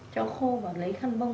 cháu khô và lấy khăn bông